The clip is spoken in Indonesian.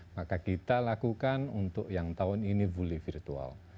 maka kita lakukan untuk yang tahun ini fully virtual